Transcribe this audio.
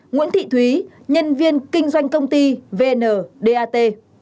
nguyễn thị thúy nhân viên kinh doanh công ty vndat